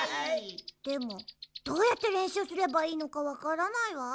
でもどうやってれんしゅうすればいいのかわからないわ。